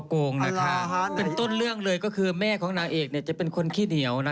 ฟังคำเมาอ้ายบ่อสวงสุดหัวใจให้อ้ายเป็นห่วง